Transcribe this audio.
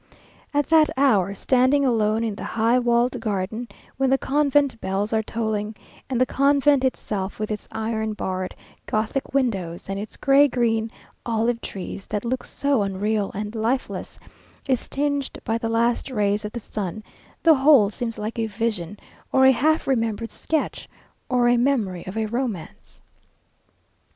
At that hour, standing alone in the high walled garden when the convent bells are tolling, and the convent itself, with its iron barred, Gothic windows, and its gray green olive trees that look so unreal and lifeless, is tinged by the last rays of the sun, the whole seems like a vision, or a half remembered sketch, or a memory of romance.